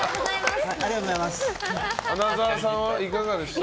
花澤さんはいかがでした？